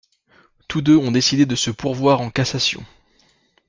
Tous deux ont décidé de se pourvoir en cassation.